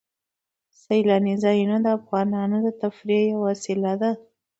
سیلاني ځایونه د افغانانو د تفریح یوه وسیله ده.